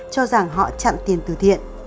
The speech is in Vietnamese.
cho rằng họ chặn tiền từ thiện